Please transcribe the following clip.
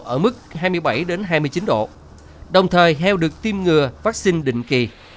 ở mức hai mươi bảy hai mươi chín độ đồng thời heo được tiêm ngừa vaccine định kỳ